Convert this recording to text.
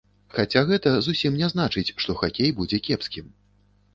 Хаця гэта зусім не значыць, што хакей будзе кепскім.